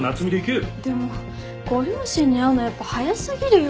でもご両親に会うのやっぱ早過ぎるよ。